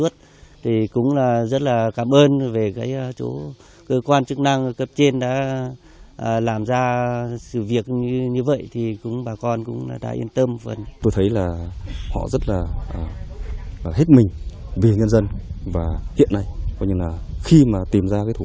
tìm ra thủ phạm